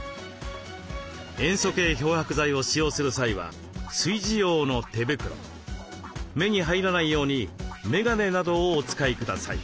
塩素系漂白剤を使用する際は炊事用の手袋目に入らないように眼鏡などをお使いください。